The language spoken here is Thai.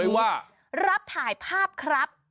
เห็นไว้ว่ารับถ่ายภาพครับ